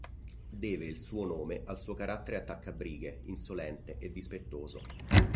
Deve il suo nome al suo carattere attaccabrighe, insolente e dispettoso.